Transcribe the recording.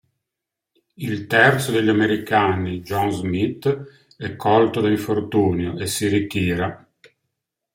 Il terzo degli americani, John Smith, è colto da infortunio e si ritira.